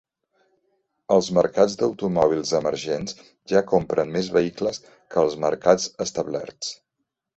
Els mercats d'automòbils emergents ja compren més vehicles que els mercats establerts.